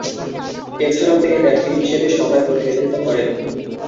এছাড়াও তিনি ব্যক্তি হিসেবে সভায় প্রতিনিধিত্ব করেন।